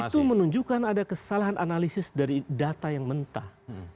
itu menunjukkan ada kesalahan analisis dari data yang mentah